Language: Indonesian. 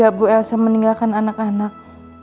saya sudah berhasil meninggalkan anak anak